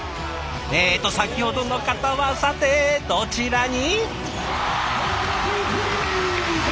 えと先ほどの方はさてどちらに？